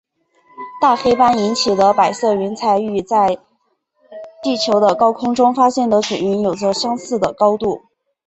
大黑斑引起的白色云彩与在地球的高空中发现的卷云有着相似的高度。